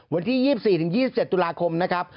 วันที่๒๔๒๗ตุลาคมนะครับ